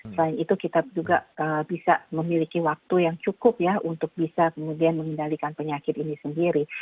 selain itu kita juga bisa memiliki waktu yang cukup ya untuk bisa kemudian mengendalikan penyakit ini sendiri